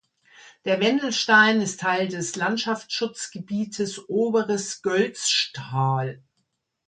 Der Wendelstein ist Teil des Landschaftsschutzgebietes Oberes Göltzschtal.